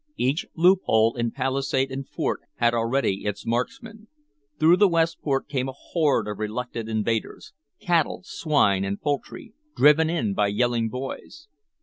Each loophole in palisade and fort had already its marksman. Through the west port came a horde of reluctant invaders, cattle, swine, and poultry, driven in by yelling boys.